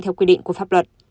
theo quy định của pháp luật